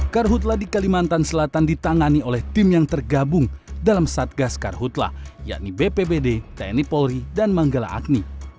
karhutlah di kalimantan selatan ditangani oleh tim yang tergabung dalam satgas karhutlah yakni bpbd tni polri dan manggala agni